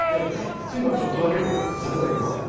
スチームはちょっとだけってことなんですねはい。